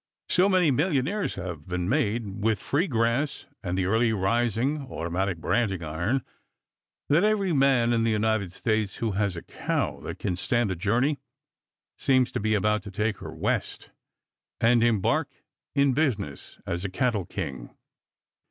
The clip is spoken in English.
So many millionaires have been made with "free grass" and the early rising, automatic branding iron that every man in the United States who has a cow that can stand the journey seems to be about to take her west and embark in business as a cattle king.